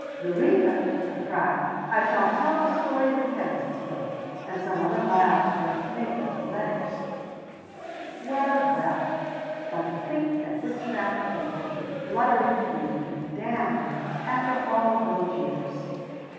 "Eureka!" I cried. "I shall tell the story of the chemist's bill, and some other biographer may print the letters." Well, well! but to think that this scrap of paper should flutter into view to damn him after all those years!